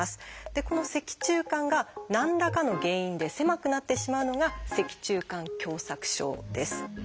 でこの脊柱管が何らかの原因で狭くなってしまうのが「脊柱管狭窄症」です。